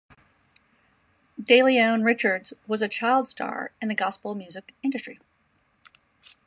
DeLeon Richards was a child star in the gospel music industry.